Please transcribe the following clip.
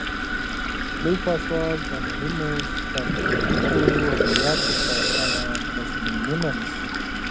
لوی پاسوال د مهمو ستراتیژیکو عملیاتو په اړه تصمیمونه نیسي.